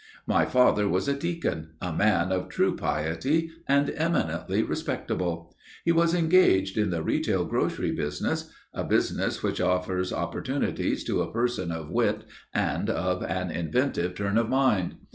My father was a deacon, a man of true piety and eminently respectable. He was engaged in the retail grocery business, a business which offers opportunities to a person of wit and of an inventive turn of mind.